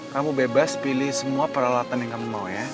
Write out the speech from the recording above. kamu bebas pilih semua peralatan yang kamu mau ya